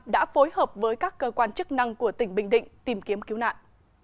đã phối hợp với các cơ quan chức năng của tỉnh bình định tìm kiếm cứu nạn